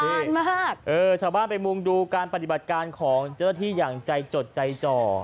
มากเออชาวบ้านไปมุงดูการปฏิบัติการของเจ้าหน้าที่อย่างใจจดใจจ่อ